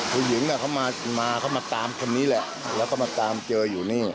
ผู้หญิงเขามาเขามาตามคนนี้แหละแล้วก็มาตามเจออยู่นี่